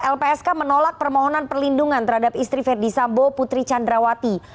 lpsk menolak permohonan perlindungan terhadap istri verdi sambo putri candrawati